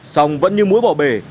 sòng vẫn như muối bỏ bể